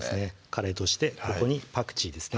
カレーとしてここにパクチーですね